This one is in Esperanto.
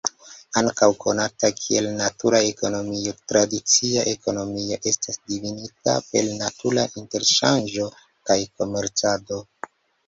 Ankaŭ konata kiel "natura ekonomio", tradicia ekonomio estas difinita per natura interŝanĝo kaj komercado.